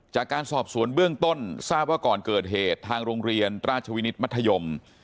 จากการสอบสวนเบื้องต้นทราบว่าก่อนเกิดเหตุทางโรงเรียนราชวินิตมัธยม